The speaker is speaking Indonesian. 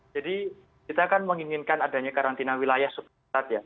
jadi kita kan menginginkan adanya karantina wilayah seperti saat ya